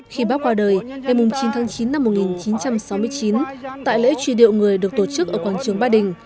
khi bác qua đời ngày chín tháng chín năm một nghìn chín trăm sáu mươi chín tại lễ truy điệu người được tổ chức ở quảng trường ba đình